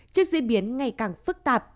trước diễn biến ngày càng phức tạp